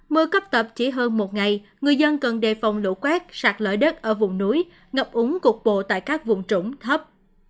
mưa cấp tập chỉ hơn một ngày người dân cần đề phòng lũ quét sạt lở đất ở vùng núi ngập úng cục bộ tại các vùng trũng thấp